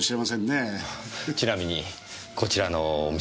ちなみにこちらのお店では？